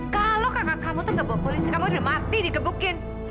kalau kakak kamu tuh ngebuk polisi kamu udah mati digebukin